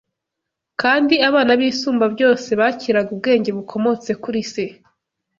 kandi abana b’Isumbabyose bakiraga ubwenge bukomotse kuri Se.